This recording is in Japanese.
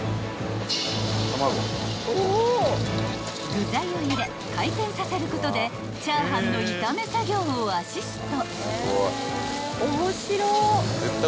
［具材を入れ回転させることでチャーハンの炒め作業をアシスト］